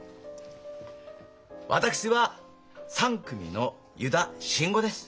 私は３組の油座信吾です。